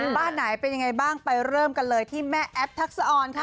บ้านไหนเป็นยังไงบ้างไปเริ่มกันเลยที่แม่แอฟทักษะออนค่ะ